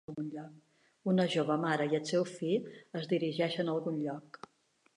Una jove mare i el seu fill es dirigeixen a algun lloc